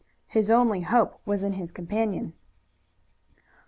His only hope was in his companion.